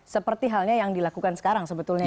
seperti halnya yang dilakukan sekarang sebetulnya